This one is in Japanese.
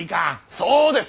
そうです！